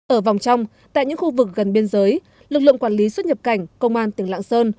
ở vòng trong tại những khu vực gần biên giới lực lượng quản lý xuất nhập cảnh công an tỉnh lạng sơn